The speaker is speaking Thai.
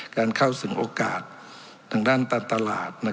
การเข้าถึงโอกาสทางด้านการตลาด